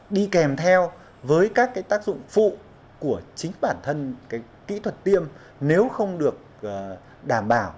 đi kèm theo với các tác dụng phụ của chính bản thân kỹ thuật tiêm nếu không được đảm bảo